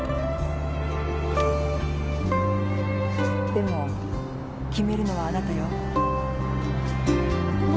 でも決めるのはあなたよ。